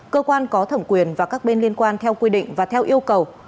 cơ quan có thẩm quyền và các bên liên quan theo quy định và theo yêu cầu